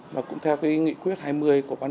và cũng theo nghị quyết hai mươi của bán